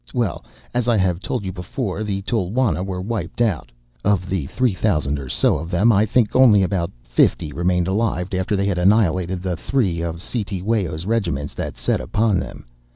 Well, as I have told you before, the Tulwana were wiped out; of the three thousand or so of them I think only about fifty remained alive after they had annihilated the three of Cetewayo's regiments that set upon them.